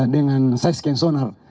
dengan sesken sunar